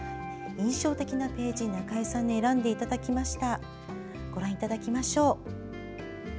印象的なページを中江さんに選んでいただきました。